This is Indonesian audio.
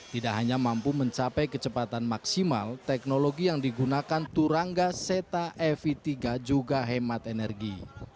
tidak hanya mampu mencapai kecepatan maksimal teknologi yang digunakan turangga seta ev tiga juga hemat energi